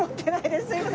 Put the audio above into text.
すいません